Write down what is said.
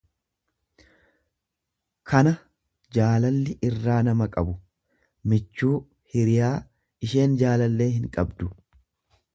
kana jaalalli irraa nama qabu, michuu, hiriyaa; Isheen jaalallee hinqabdu.